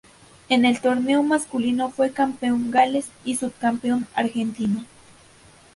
En el torneo masculino fue campeón Gales y subcampeón Argentina.